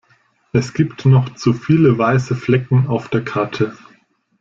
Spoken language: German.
Es gibt noch zu viele weiße Flecken auf der Karte.